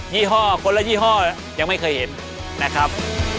ี่ห้อคนละยี่ห้อยังไม่เคยเห็นนะครับ